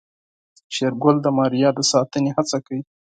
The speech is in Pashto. شېرګل د ماريا د ساتنې هڅه وکړه.